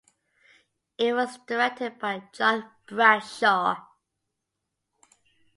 It was directed by John Bradshaw.